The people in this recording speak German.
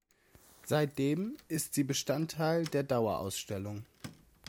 Seitdem ist sie Bestandteil der Dauerausstellung.